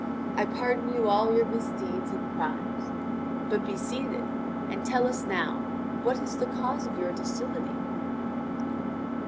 I pardon you all your misdeeds and crimes. But be seated, and tell us now what is the cause of your docility?"